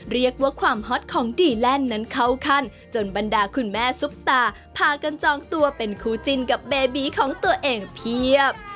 เรียกว่าความฮอตของดีแลนด์นั้นเข้าขั้นจนบรรดาคุณแม่ซุปตาพากันจองตัวเป็นคู่จิ้นกับเบบีของตัวเองเพียบ